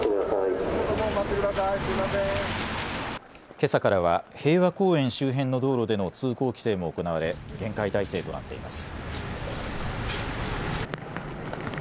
けさからは平和公園周辺の道路での通行規制も行われ厳戒態勢となっています。